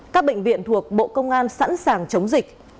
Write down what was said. các bệnh viện thuộc bộ công an sẵn sàng chống dịch